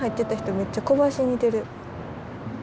めっちゃ小林に似てる。